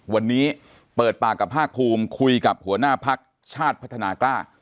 วันนี้เปิดปากกับภาคภูมิคุยกับหัวหน้าพักชาติพัฒนากล้า